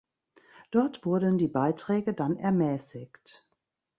Dort wurden die Beiträge dann ermäßigt.